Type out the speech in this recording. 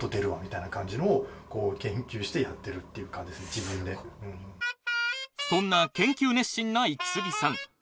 自分でそんな研究熱心なイキスギさん